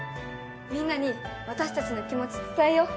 みんなに私たちの気持ち伝えよう！